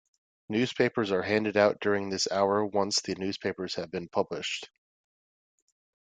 Newspapers are handed out during this hour once the newspapers have been published.